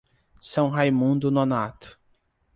São Raimundo Nonato